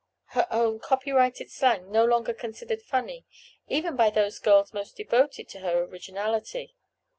Her own "copyrighted" slang no longer considered funny, even by those girls most devoted to her originality?